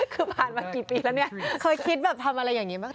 คือผ่านมากี่ปีแล้วเนี่ยเคยคิดแบบทำอะไรอย่างนี้บ้าง